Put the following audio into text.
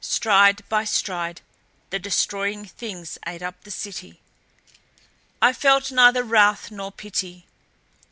Stride by stride the Destroying Things ate up the city. I felt neither wrath nor pity.